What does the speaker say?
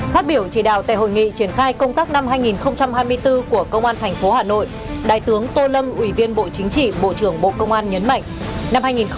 phát biểu chỉ đạo tại hội nghị triển khai công tác năm hai nghìn hai mươi bốn của công an tp hà nội đại tướng tô lâm ủy viên bộ chính trị bộ trưởng bộ công an nhấn mạnh